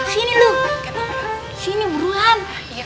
sini lu sini buruan